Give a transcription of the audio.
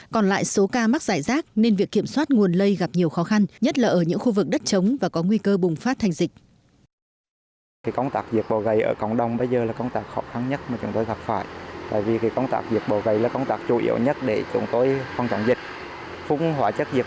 còn lại số ca mắc giải rác nên việc kiểm soát nguồn lây gặp nhiều khó khăn nhất là ở những khu vực đất chống và có nguy cơ bùng phát thành dịch